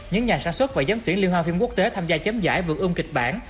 những nhà sản xuất và giám tuyển liên hoa phim quốc tế tham gia chấm giải vườn ưm kịch bản